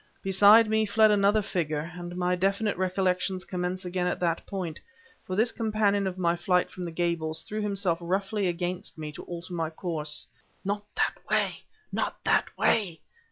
Beside me fled another figure.... And my definite recollections commence again at that point. For this companion of my flight from the Gables threw himself roughly against me to alter my course. "Not that way! not that way!"